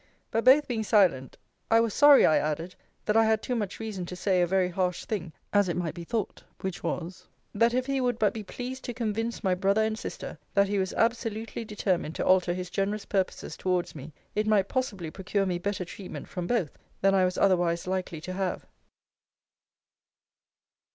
But both being silent, I was sorry, I added, that I had too much reason to say a very harsh thing, as I might be thought; which was, That if he would but be pleased to convince my brother and sister, that he was absolutely determined to alter his generous purposes towards me, it might possibly procure me better treatment from both, than I was otherwise likely to have.